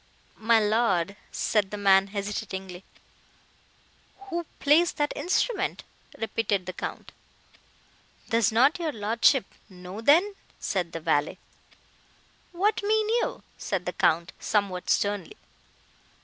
"My lord!" said the man, hesitatingly. "Who plays that instrument?" repeated the Count. "Does not your lordship know, then?" said the valet. "What mean you?" said the Count, somewhat sternly.